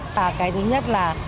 và cái thứ nhất là